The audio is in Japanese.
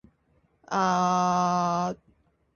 でもどうやって